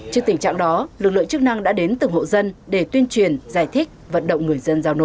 trước tình trạng đó lực lượng chức năng đã đến từng hộ dân để tuyên truyền giải thích vận động người dân giao nổ